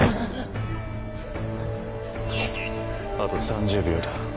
あと３０秒だ。